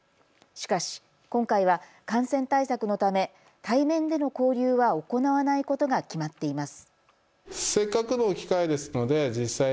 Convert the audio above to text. しかし、今回は感染対策のため対面での交流は行わないことが決まっています。